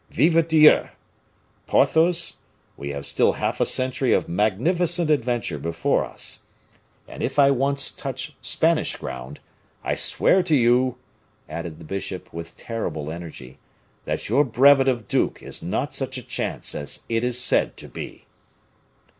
Vive Dieu! Porthos, we have still half a century of magnificent adventure before us, and if I once touch Spanish ground, I swear to you," added the bishop with terrible energy, "that your brevet of duke is not such a chance as it is said to be."